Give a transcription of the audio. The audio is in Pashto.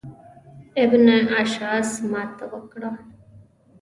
ابن اشعث ماته وکړه.